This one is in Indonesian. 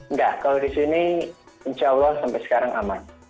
enggak kalau di sini insya allah sampai sekarang aman